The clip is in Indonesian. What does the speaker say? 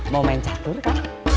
mau main catur kak